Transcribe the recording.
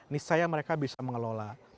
nisaya mereka bisa mengelola